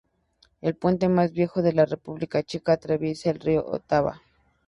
El puente más viejo de la República Checa atraviesa el río Otava.